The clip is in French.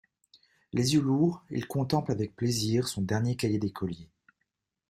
Les yeux lourds, il contemple avec plaisir son dernier cahier d’écolier.